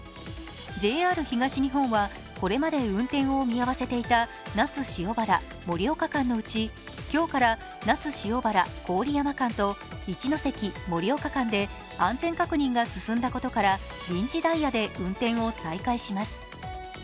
ＪＲ東日本はこれまで運転を見合わせていた那須塩原−盛岡間のうち今日から那須塩原−郡山間と一ノ関−盛岡間で安全確認が進んだことから臨時ダイヤで運転を再開します。